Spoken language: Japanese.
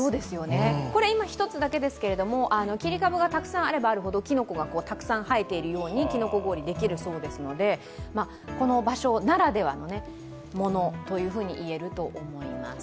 今、１つだけですけれども、切株がたくさんあればあるほどキノコがたくさん生えているようにキノコ氷ができるそうですので、この場所ならではのものと言えると思います。